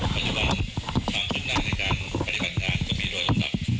ปัจจุบันนานในการปฏิบัติงานมีด้วยหลวงดับ